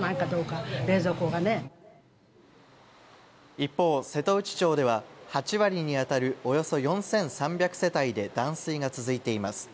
一方、瀬戸内町では８割にあたるおよそ４３００世帯で断水が続いています。